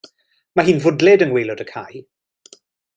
Mae hi'n fwdlyd yng ngwaelod y cae.